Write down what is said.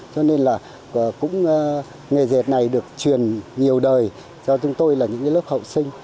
cho nên là cũng nghề diệt này được truyền nhiều đời cho chúng tôi là những lớp hậu sinh